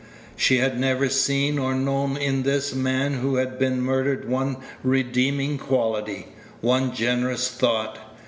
She had never seen or known in this man who had been murdered one redeeming quality, one generous thought.